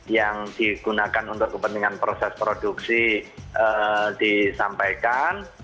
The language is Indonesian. yang digunakan untuk kepentingan proses produksi disampaikan